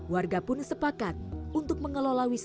warga pun sepakat untuk mengelola wisata